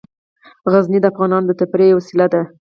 غزني د افغانانو د تفریح یوه وسیله ده.